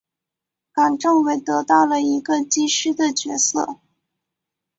冈政伟得到了一个机师的角色。